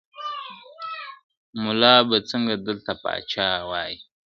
مُلا به څنګه دلته پاچا وای `